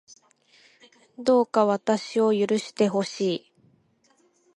どうか私を許してほしい